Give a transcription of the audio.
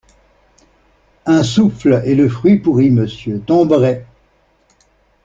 Un souffle, et le fruit pourri, Monsieur, tomberait!